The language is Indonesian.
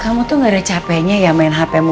kamu tuh gara gara capeknya ya main hp mulu